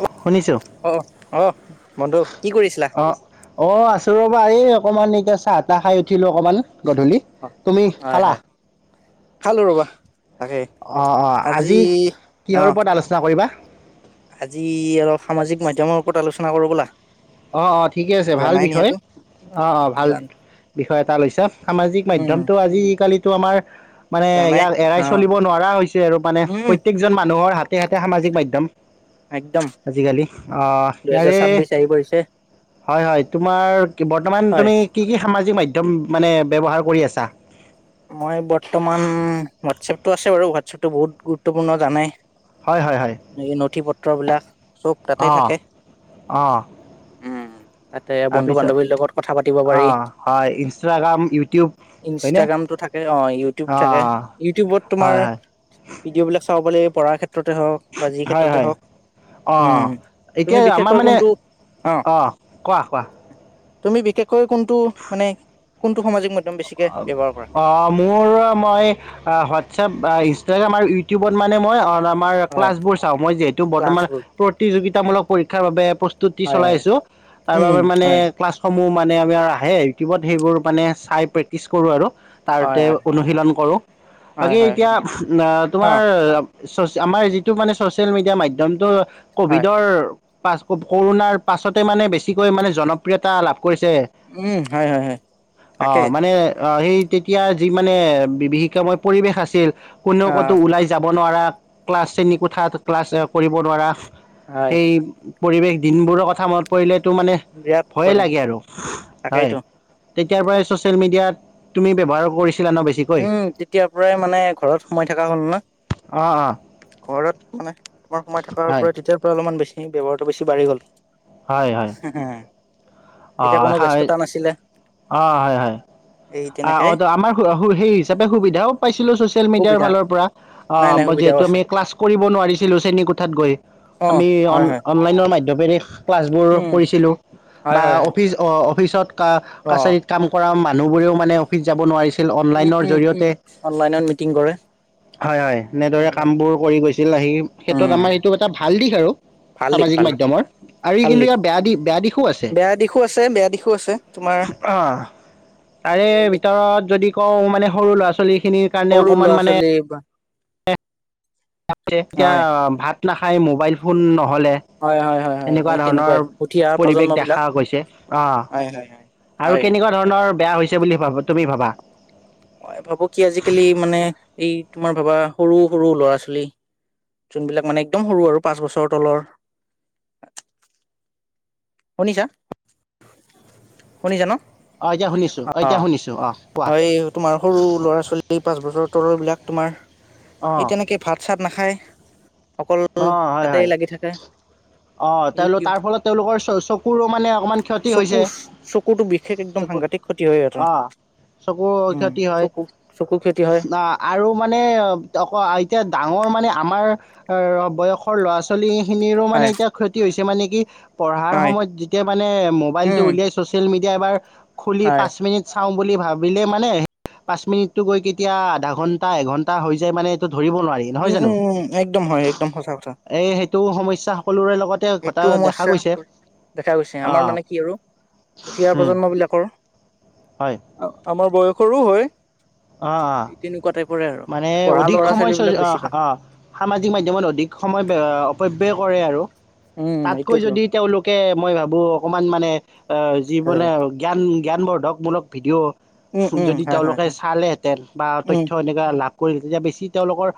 অ শুনিছোঁ। অ অ বন্ধু কি কৰিছিলা? অঁ আছোঁ ৰ'বা এই অকণমান এতিয়া চাহ তাহ খাই উঠিলোঁ অকণমান গধূলি অ তুমি হয় খালা? হয় খালো ৰবা তাকে অ অ আজি অ কিহৰ ওপৰত আলোচনা কৰিবা? আজি অলপ সামাজিক মাধ্যমৰ আলোচনা কৰো ব'লা অ অ ঠিকে আছে ভাল জানাই বিষয় নিহেতু অ অ ভাল জান বিষয় এটা লৈছা। সামাজিক উম মাধ্যমটো আজিকালি আমাৰ মানে জানাই ইয়াৰ এৰাই অ চলিব নোৱাৰা হৈছে আৰু মানে উম প্ৰত্যেকজন মানুহৰ হাত তেহাতে সামাজিক মাধ্যম। একদম আজিকালি, অ'হ দুহেজাৰ ইয়াৰে- ছাব্বিশ আহি পৰিছে হয়, হয়, তোমাৰ বৰ্তমান হয় তুমি কি কি সামাজিক মাধ্যম মানে ব্যৱহাৰ কৰি আছা? মই বৰ্তমান, হোৱাটছএপটো আছে বাৰু, হোৱাটছএপতটো বহুত গুৰুত্বপূৰ্ণ জানাই। হয়, হয়, হয়। নেই নথি পত- পত্ৰবিলাক। চব তাতে অ', থাকে। অ'। উম তাতে বন্ধু তাৰপিছত বান্ধৱীৰ লগত কথা পাতিব অ পাৰি হয় ইনষ্টাগ্ৰাম, ইউটিউব, হয়নে? ইনষ্টাগ্ৰামটো থাকে অ' ইউটিউব থাকে। অঁ ইউটিউবত তোমাৰ হয় হয় ভিডিঅ' বিলাক চা [unintelligible] পৰা ক্ষেত- ক্ষেত্ৰতে হওক, বা যি হয় ক্ষেত্ৰতে হয় হওক, অঁ উম, এতিয়া তুমি আমাৰ বিশেষকৈ মানে কোনটো অ' অঁ কোৱা কোৱা তুমি বিশেষকৈ কোনটো, মানে কোনটো সামাজিক মধ- ধ্যম বেছিকে ব্যৱহাৰ কৰা? অ' মোৰ মই হোৱাটছএপ, ইনষ্টাগ্ৰাম, আৰু ইউটিউবত মানে মই অলম- হয় ক্লাছবোৰ চাওঁ। মই যিহেতু বৰ্তমান ক্লাছবোৰ প্ৰতিযোগীত- তাৰ মূলক পৰীক্ষাৰ বাবে প্ৰস্তু- তুটি হয় চলাই হয় আছোঁ। তাৰ উম বাবে মানে হয় ক্লাছ সমূহ মানে আমাৰ আহে, ইউটিউবত সেইবোৰ মানে চাই প্ৰেক- প্ৰেক্টিছ কৰোঁ আৰু। হয় তাৰতে হয় অনুশীলন কৰো হয় বাকী হয় এতিয়া হয় অ অ তোমাৰ চছ, আমাৰ যিটো মানে ছ'চিয়েল মিডিয়া মাধ্যমটো। হয় কভিডৰ। পাছ, ক- কৰোণাৰ পাছতে মানে বেছিকৈ মানে জনপ্ৰিয়তা লাভ। কৰিছে উম, হয়, হয়, হয়, অ তাকে মানে অ, সেই তেতিয়া যি মানে বিভীষিকাময় পৰিৱেশ আছিল কোনেও অ কতো ওলাই যাব নোৱাৰা ক্লাছ শ্ৰেণী কোঠাত ক্লাছ কৰিব নোৱাৰা। হয় সেই পৰিৱেশ দিনবোৰৰ কথা মনত পৰিলে মনটো মানে, বিৰাট ভয়ে পৰে লাগে আৰু হয়। তাকেইতো তেতিয়া পৰাই। চচি ছচিয়েল মেডিয়াত তুমি ব্যৱহাৰ কৰিছ উম, তেতিয়াৰ পৰাই মানে ঘৰত সোমাই থকা হ'ল ন। অ অ ঘৰত মানে তোমাৰ সোমাই থকাৰ হয় পৰা তেতিয়াৰ পৰা অলপমান বেছি। ব্যৱহাৰটো বেছি বাঢ়ি গ'ল। হয় হয় হেহে। অ হয় অ হয় হয় এই অ তেনেকে অ ত আমাৰ হো অশোক হেই হিচাপে সুবিধাও পাইছিলোঁ ছ'চিয়েল মিডিয়াৰ সুবিধা ফালৰ পৰা অ নাই নাই সুবিধাও যিহেতু আছে আমি ক্লাছ কৰিব নোৱাৰিছিলো শ্ৰেণীকোঠাত গৈ অ আমি অম হয় হয় অনলাইনৰ মাধ্য মে দি ক্লাছবোৰো উম কৰিছিলো হয় বা হয় হয় অফিচ অ পিছত অ কাছাৰীত কাম কৰা মান নুহ বোৰেও মানে অফিচ যাব নোৱাৰিছিল উম অনলাইনৰ উম উম জৰিয়তে, অনলাইনত মিটিং কৰে হয় হয়। এনেদৰে অনলাইনত কামবোৰ কৰি গৈছিল আহি ক্ষেত্ৰত উম আমাৰ এইটো এটা ভাল দিশ আৰু ভাল দিশ সামাজিক ভাল দিশ মাধ্যমৰ আৰু ভাল কিন্তু দিশ ইয়াৰ বেয়া বেয়া দিশো আছে বেয়া দিশো আছে বেয়া দিশো আছে তোমাৰ তাৰে এই ভিতৰত যদি কওঁ মানে সৰু ল'ৰা ছোৱালী খিনিৰ কাৰণে সৰু ল'ৰা অকণমান মানে ছোৱালী বা এতিয়া হয় ভাত নাখাই মোবাইল ফোনত হ'লে হয় হয় হয় হয় এনেকোৱা এই তেনেকুৱাই ধৰণৰ উঠি অহা প্ৰজন্ম পৰিৱেশ বিলাক দেখা গৈছে অঁ হয় হয় হয় আৰু হয় কেনেকোৱা ধৰণৰ বেয়া হৈছে বুলি ভাবা তুমি ভাবা। মই ভাবো কি আজিকালি মানে এই তোমাৰ ভাবা সৰু সৰু ল'ৰা- সোৱালী যোনবিলাক মানে একদম সৰু আৰু পাঁচ বছৰ তলৰ শুনিসা-শুনিসা অ এতিয়া শুনিছো অ এতিয়া শুনিছো অ কোৱা এই তোমাৰ সৰু ল'ৰা ছোৱালী পাঁচ বছৰৰ তলৰ বিলাক তোমাৰ অ এই তেনেকে ভাত-চাত। নাখায়। অকল অ হয় তাতে হয় লাগি থাকে অ তেওঁলোক ইউটিউব তাৰ ফলত তেওঁলোকৰ অ' চকুৰ মানে অকমান ক্ষতি চকু হৈছে, চকুতো বিশেষ একদম হেইটো সাংঘাতিক ক্ষতি হয় সিহঁতৰ অঁ সেইবোৰ উম ক্ষতি হয় চকু চকু ক্ষতি হয় আৰু মানে আকৌ ডাঙৰ মানে। আমাৰ। বয়সৰ ল'ৰা ছোৱালী খিনিৰো মানে হয় এতিয়া ক্ষতি হৈছে। সিমানে কি পঢ়াৰ হয় সময়ত যেতিয়া মানে ম'বাইলটো উম উলিয়াই চ'চিয়েল মিডিয়া এতিয়া এবাৰ খুলি হয় পাঁচ মিনিট চাওঁ খুলিম বুলি ভাবিলে মানে পাচঁ মিনিটটো গৈ কেতিয়া আধা ঘণ্টা এঘণ্টা হৈ যায় মানে এইটো ধৰিব নোৱাৰি নহয় উম জানো উম উম একদম হয় একদম সঁচা কথা তটো সমস্যা সকলোৰে লগত সেইটো সমস্যা দেখা গৈছে আমাৰ অঁ মানে কি আৰু উঠি অহা উম প্ৰজন্ম বিলাকৰ আমাৰ বয়সৰো হয় অ অ তেনেকুৱা টাইপৰে আৰু মানে পঢ়া অধিক ল'ৰা সময় ছোৱালী বিলাক চচি অ বেছিকে অ সামাজিক মাধ্যমত অধিক সময় অ বে কৰে আৰু উম তাতকৈ এইটোয়েতো যদি তেওঁলোকে মই ভাবো অকমান মানে [inaudible] অ যি হয় বোলে জ্ঞান জ্ঞানবর্ধকমূলক ভিডিঅ' উম উম যদি হয় হয় তেওঁলোকে হয় চালেহেঁতেন বা উম তথ্য এনেকুৱা লাভ কৰিলে তেতিয়া বেছি তেওঁলোকৰ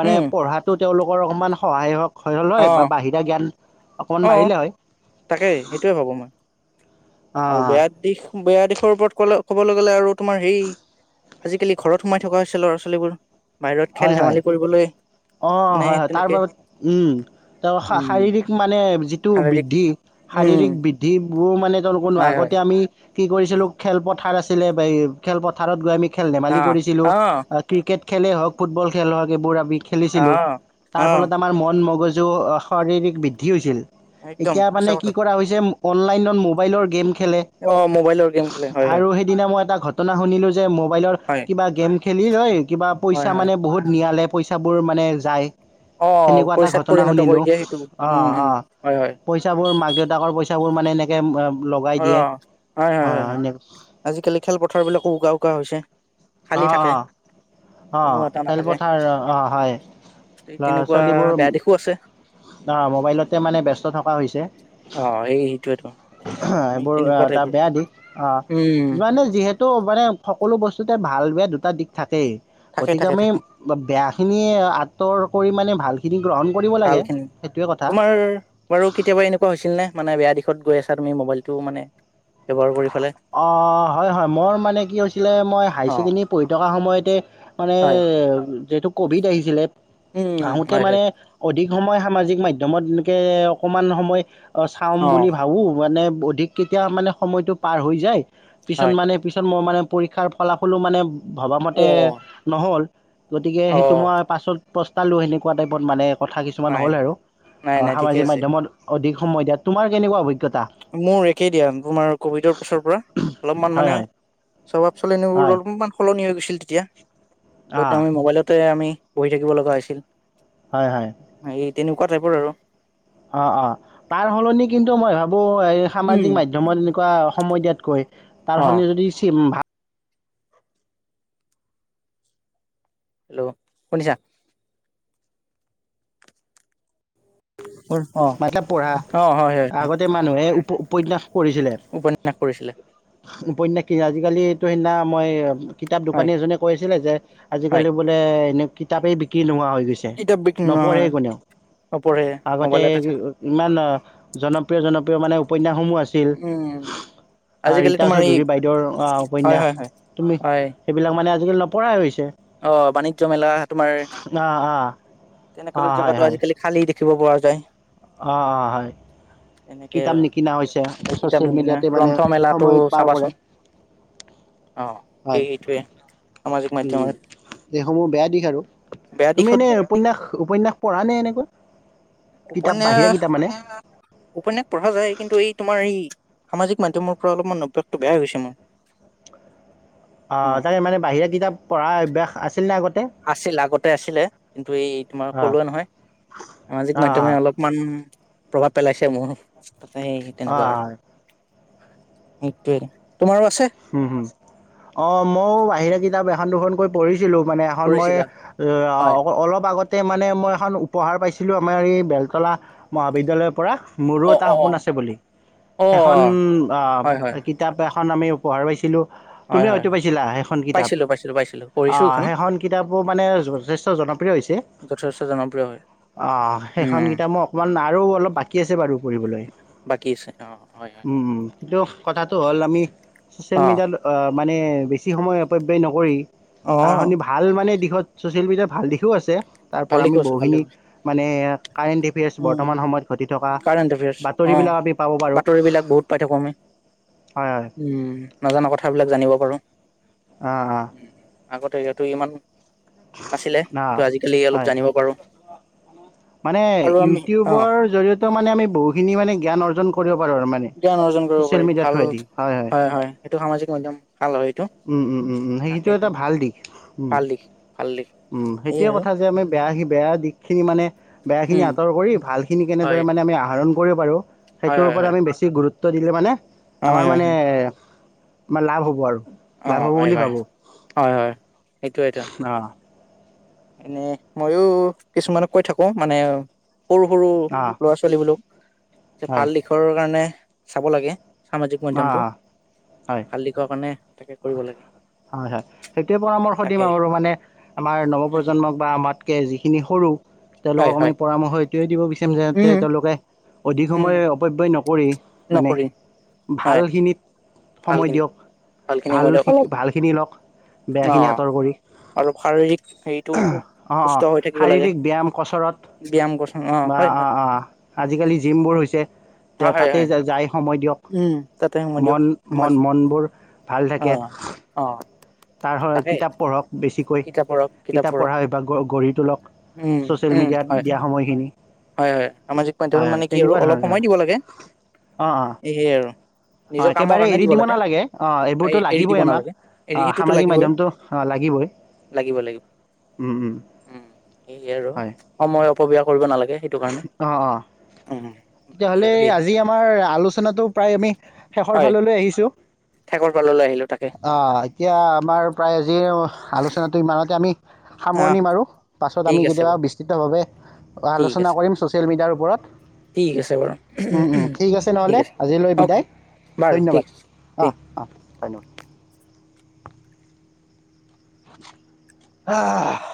মানে উম পঢ়াটো তেওঁলোকৰ অকণমান সহায়ক হয় হল হয়, অ বা বাহিৰা জ্ঞান অকণমান অ বাঢ়িলে হয় তাকেই সেইটোৱে ভাবো মই। অ আৰু অ', বেয়া দিশ বেয়া দিশৰ ওপৰত ক' ক'বলৈ গ'লে আৰু তোমাৰ এই আজিকালি ঘৰত সোমাই থকা হৈছে ল'ৰা ছোৱালীবোৰ। বাহিৰত খেল হয় হয় ধেমালি কৰিবলৈ অ মানে হয় হয় তাৰ তেনেকে তেওঁ শাৰীৰিক মানে যিটো শাৰীৰিক বৃদ্ধি উম শাৰীৰিক বৃদ্ধি বহু মানে [unintelligible] হয় হয় আগতে আমি কি কৰিছিলোঁ খেলপথাৰ আছিলে, খেলপথাৰত গৈ আমি খেল অ ধেমালি কৰিছিলোঁ অ ক্ৰিকেট। খেলে হওক ফুটবল খেল হোৱাৰ এইবোৰ আদি [unintelligible] অ খেলিছিলো। তাৰ অ ফলত আমাৰ মন মগজ য' শাৰীৰিক বৃদ্ধি হৈছিল। একদম এতিয়া মানে সঁচা কি কথা কৰা হৈছে অনলাইনত মোবাইলৰ গেম খ খেলে, অ মোবাইলৰ গেম খেলে হয় হয় আৰু সেইদিনা মই এটা ঘটনা শুনিলোঁ যে মোবাইলৰ হয় কিবা গেম [unintelligible] হয় হয় মানে বহুত নিয়ালে পইচাবোৰ মানে যায়। অ সেনেকুৱা এটা পইচাত ঘটনা পৰিণত শুনিলো কৰি দিয়ে সেইটো অ উম অ হম হয় হয় পইচাবোৰ মাক দেউতাকৰ পইচাবোৰ মানে এ এম ভৰাম অ হয় হয় হয় হয় আজিকালি খেলপথাৰ বিলাকো উকা উকা হৈছে খালী অঁ থাকে অঁ কোনো অঁ এটা নাথাকে খেলপথাৰ অ হয় ল'ৰা তেনেকুৱা ছোৱালীবোৰ বেয়া দিশো আছে অ মোবাইলতে মানে ব্যস্ত থকা হৈছে। অ সেই সেইটোৱেতো এই সেইবোৰ তেনেকুৱা এটা টাইপৰ বেয়া দিশ অ উম যিমানে যিহেতু তো মানে সকলো বস্তুতে ভাল বেয়া দুটা দিশ থাকেই। থাকে গতিকে থাকে আমি থাকে বেয়াখিনিয়ে আঁতৰ কৰি মানে ভালখিনি গ্ৰহণ কৰিব ভাল লাগে খিনি সেইটোৱে কথা তোমাৰ বাৰু কেতিয়াবা এনেকুৱা হৈছিল নে মানে তোমাৰ [unintelligible] গৈ আছো মোবাইলটো মানে আপোনাৰ মোবাইলটো [unintelligible] অ হয় হয় মোৰ মানে কি হৈছিলে মই হাই অ ছেকেণ্ডৰী পঢ়ি থকা সময়ত এক মানে হয় যিটো কভিড আহিছিলে উম আহোতে হয় মানে হয় অধিক সময় সামাজিক মাধ্য়মত এনেকে অকমান সময় অ চাম বুলি ভাবো মানে অধিক কেতিয়া মানে সময়টো পাৰ হৈ যায় পিছত হয় মানে পিছত মই মানে পৰীক্ষাৰ ফলাফলো মানে অ ভবামতে নহ'ল গতিকে অ সেইটো মই পাছত পস্তালো সেনেকুৱা টাইপত মানে কথা কিছুমান নাই হ'ল নাই আৰু নাই নাই ঠিকে সামাজিক আছে মাধ্যমত অধিক সমহিয়া তোমাৰ কেনেকোৱা অভি মোৰ একেই দিয়া তোমাৰ ক'ভিডৰ পাছৰ পৰা অলপমান হয় মানে হয় স্বভাৱ চলনি বোৰ হয় অলপমান সলনি হৈ গৈছে তেতিয়া য'ত অঁ আমি মোবাইলতে আমি বহি থাকিব লগা হৈছিল হয় হয় স [unintelligible] তেনেকুৱা টাইপৰ আৰু অ অ তাৰ সলনি কিন্তু মই ভ আ এই সামাজিক উম মাধ্যমত এনেকুৱা সময় দিয়াতকৈ তাৰ অ হলে যদি চি ভাল হেল্ল' শুনিছা অ মাত পঢ়া অ হয় হয় আগতে মানুহে পইখা [unintelligible] উপন্যাস কৰিছিলে। উপন্যাস কি আজিকালিটো সেইদিনা মই। কিতাপ হয় দোকানী এজনে কৈছিলে যে হয় আজিকালি বোলে এনে। কিতাপেই বিক্ৰী নোহোৱা হয়। কিতাপ বিক্ৰী নহয় নপঢ়ে। লগতে মোবাইলতে থাকে ইমান জনপ্ৰিয় জন। মানে উপন্যাস। সমূহ আছিল। উম আজিকালি ৰীতা তোমাৰ এই চৌধুৰী বাইদেউৰ হয় উপন্যাস হয় হয় তুমি সেইবিলাক মানে গতিকে নপঢ়া হৈছে। অহ', বাণিজ্য মেলা তোমাৰ। অঁ অঁ তেনেকালৈ জাগাতো আজিকালি খালী দেখি। দেখিব পৰা যায়। অহ- অহ হয় তেনেকে কিতাপ নিকিনা হৈছে কিতাপ ছ'চিয়েল কিনা মিডিয়াতে মানে গ্ৰন্থ মেলাটো সময় পাৰ কৰে। চাবাচোন অ এই হয়', এইটোৱে সামাজিক উম', মাধ্যমত এইসমূহ বেয়া দিশ আৰু বেয়া তুমি দিশত এনে উপন্যাস উপন্যাস পঢ়া নে এনেকুৱা। কিতাপ বাহিৰা উপন্যাস কিতাপ মানে। উপন্যাস পঢ়া যায় কিন্তু এই তোমাৰ এই সামাজিক মাধ্যমৰ পৰা অলপমান অভ্যাসটো বেয়া হৈছে মোৰ। অ আহ', তাকে মানে বাহিৰা কিতাপ। পৰা অভ্যাস আছিল নে আগত। আছিল আগতে আছিলে কিন্তু এই তোমাৰ অ', ক'লোৱে নহয়, সামাজিক মাধ্যমে অ', অলপমান প্ৰভাৱ পেলাইছে মোৰ। তাতেই অ', তেনেকুৱা আৰু। হয় সেইটোৱে। তোমাৰো আছে উম', হুম', অহ', মইও বাহিৰা কিতাপ এখন এখন দুখন কৈ পৰি। ছিলো মানে এখন মই পঢ়িছিলা হয় অলপ আগতে তাতে মানে মই এখন উপহাৰ পাইছিলোঁ আমাৰ এই বেলতলা মহাবিদ্যালয়ৰ পৰা। মোৰো অ এটা অ অ সপোন আছে বুলি, অ সেইখন আহ', হয় হয় কিতাপ কাৰণ আমিও। উপহাৰ পাইছিলোঁ। তুমি হয় হয় হয়তো হয় পাইছিলা, সেইখন কিতাপ পাইছিলো পাইছিলো পাইছিলো পঢ়িছো অহ', এইখন সেইখন কিতাপো মানে যথেষ্ট জনপ্ৰিয় হৈছে। যথেষ্ট জনপ্ৰিয় হয় অহ', সেইখন উম কিতাপ মই অকণমান আৰু অলপ বাকী আছে বাৰু। কৰিবলৈ বাকী আছে অ হয় হয় উম', - উম', সেই কথাটো হ'ল আমি চচিয়েল অ মিডিয়াত মানে বেছি সময় অপব্যয় নকৰি অ তাৰ সলনি ভাল মানে দিত [unintelligible] চচিয়েল মিডিয়াত ভাল দিশো আছে। তাৰ ভাল পৰা আমি দেখুৱাইছে ভাল বহুখিনি দেখুৱাইছে মানে কাৰেণ্ট এফেয়াৰছ, উম বৰ্তমান সময়ত ঘটি থকা কাৰেণ্ট এফেয়াৰ্চ অ বাতৰিবিলাক আমি পাব পাৰোঁ বাতৰিবিলাক বহুত পাই থাকো আমি হয় হয়। উম নজনা কথাবিলাক জানিব পাৰোঁ। অঁ-অঁ। আগতে সিহঁতো ইমান আাছিলে, অঁ অঁ কিন্তু আজিকালি অলপ হয় জানিব পাৰোঁ। মানে ইউটিউবৰ জৰিয়তেও মানে আমি বহুখিনি মানে জ্ঞান জ্ঞান অৰ্জন কৰিব পাৰোঁ আৰু মানে জ্ঞান অৰ্জন কৰিব ছ'চিয়েল পাৰি, মিডিয়াৰ ভাল, থ্ৰুৱেদি হয় হয়, সেইটো সামাজিক মাধ্যম ভাল হয়। এইটো উম-উম-উম-উম, সেইটো তাকেইটো এটা ভাল দিশ, উম' ভাল দিশ ভাল দিশ উম', এই সেইটোয়ে আৰু কথা যে আমি বেয়া আহিব বেয়া দিশখিনি মানে বেয়া খিনি উম আঁতৰ কৰি ভাল খিনি হয় কেনেদৰে মানে আমি আহৰণ কৰিব পাৰোঁ। হয় সেইটোৰ হয় ওপৰত হয় আমি গুৰুত্ব [unintelligible] দিলে মানে অ আমাৰ হয় মানে হয় মানে লাভ হ'ব আৰু লাভ অ' হ'ব বুলি হয়-হয় ভাবোঁ হয়-হয়, সেইটোৱেইটো অঁ এনে মইয়ো কিছুমানক কৈ থাকো মানে সৰু সৰু অঁ ল'ৰা-ছোৱালী বোলো হয় ভাল দিশৰ কাৰণে চাব লাগে সামাজিক অঁ মাধ্যমটো, অঁ হয় ভাল দিশৰ কাৰণে তাকে কৰিব লাগে। হয় হয়। সেইটোৱে পৰামৰ্শ তাকে দিম আৰু মানে, আমাৰ নৱ উম প্ৰজন্মক বা আমাতকৈ যিখিনি সৰু হয় তেওঁলোকক আমি হয় পৰামৰ্শ দিব উম তেওঁলোকে অধিক উম সময় অপব্যয় ন পৰি মানে ভালখিনিত ভাল সময় খিনি দিয়ক ভাল খিনি হয় লক ভালখিনি লওক বেয়াখিনি আঁতৰ কৰি অলপ শাৰীৰিক হেৰিটো অঁ অঁ সুস্থ হৈ থাকিব লাগে শাৰীৰিক ব্যায়াম কচৰত ব্যায়াম গঠন অ বা হয় হয় অঁ অঁ আজিকালি জিমবোৰ হৈছে অ হয় তাতে হয় যাই সময় দিয়ক উম তাতে সময় দিয়ক মন মন সমাজ মনবোৰ ভাল অ থাকে অ তাৰহৈ তাকে কিতাপ পঢ়ক বেছি কিতাপ পঢ়ক কিতাপ পঢ়ক পঢ়া অভ্যাস গঢ়ি তোলক উম ছ'চিয়েল উম মিডিয়া হয় দিয়া সময়খিনি হয়। হয়। সামাজিক মাধ্যমত হয় হয় মানে কি আৰু তেনেকুৱা অলপ ধৰণৰ সময় দিব লাগে। অঁ অঁ এয়ে আৰু। অঁ নিজৰ কামৰ একেবাৰে কাৰণে এৰি দিব লাগে। নালাগে অঁ এই এইবোৰতো এৰি দিব লাগিবই আমাক নালাগে। এৰি অঁ সেইটোতো সামাজিক লাগিবই মাধ্যমতো লাগিবই। লাগিব লাগিব উম', উম সেয়ে আৰু হয়। সময় অপব্যয় কৰিব নালাগে। সেইটো কাৰণে অ', অ', উম বাকী তেতিয়াহ'লে আৰু সেই আজি আমাৰ আলোচনাটো প্ৰায় আমি শেষৰ হয় ফাললৈ আহিছোঁ। ঠেকৰ পাললৈ আহিলো তাকে অ', এতিয়া আমাৰ প্ৰায় আজিৰ আলোচনাটো ইমানতে আমি আহ সামৰণি মাৰোঁ? পাছত ঠিক আমি আছে কেতিয়াবা বাৰু বিস্তৃতভাৱে ঠিক আছে আলোচনা-কৰিম ছ'চিয়েল মিডিয়াৰ ওপৰত। ঠিক আছে বাৰু উম', উম', ঠিক আছে নহ'লে। আজিলৈ অকে বিদায়। বাৰু ঠিক ধন্যবাদ। আছে ঠিক অহ'। অ'। [unintelligible] আহ্।